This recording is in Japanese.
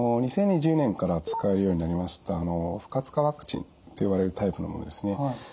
２０２０年から使えるようになりました不活化ワクチンと呼ばれるタイプのものですね。